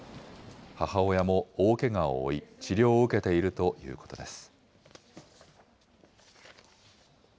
母親も大けがを負い、治療を受けているということです。